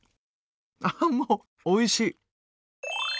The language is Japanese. ああもうおいしい！